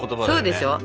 そうでしょ？